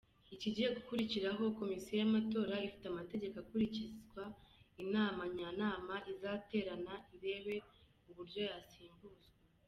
Ikigiye gukurikiraho komisiyo y’ amatora ifite amategeko akurikizwa inama nyanama izaterana irebe uburyo yasimbuzwa".